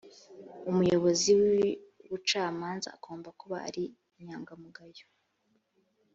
umuyobozi w'ubucamanza agomba kuba ari inyangamugayo